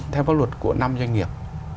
theo pháp luật của năm doanh nghiệp